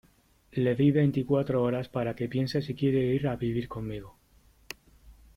le di veinticuatro horas para que piense si quiere ir a vivir conmigo .